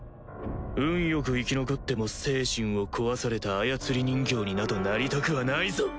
運よく生き残っても精神を壊された操り人形になどなりたくはないぞ！